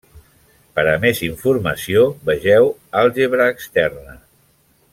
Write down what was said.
Per a més informació vegeu àlgebra externa.